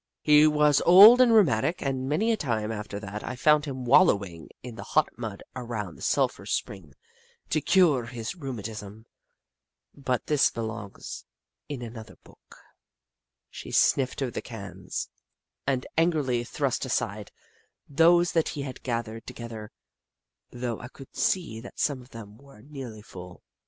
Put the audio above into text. He was old and rheumatic, and many a time, after that, I found him wallowing in the hot mud around the sulphur spring to cure his rheumatism, but this belongs in another book. She sniffed over the cans, and angrily thrust 72 The Book of Clever Beasts aside those that he had gathered together, though I could see that some of them were nearly full.